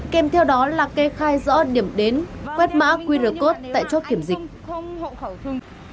kèm theo đó là kê khai rõ điểm đến quét mã qr code tại chốt kiểm dịch